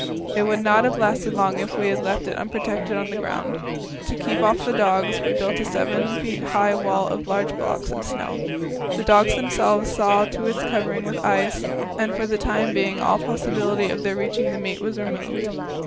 It would not have lasted long if we had left it unprotected on the ground. To keep off the dogs, we built a wall 7 feet high of large blocks of snow. The dogs themselves saw to its covering with ice, and for the time being all possibility of their reaching the meat was removed.